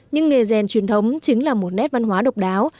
nhưng nghề rèn truyền thống chính là một nét văn hóa độc đáo